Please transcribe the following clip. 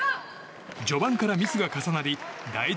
序盤からミスが重なり第１